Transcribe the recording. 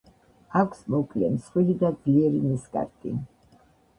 აქვთ მოკლე, მსხვილი და ძლიერი ნისკარტი.